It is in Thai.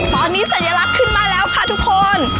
ตอนนี้สัญลักษณ์ขึ้นมาแล้วค่ะทุกคน